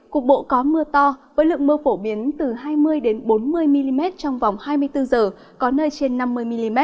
cục bộ có mưa to với lượng mưa phổ biến từ hai mươi bốn mươi mm trong vòng hai mươi bốn h có nơi trên năm mươi mm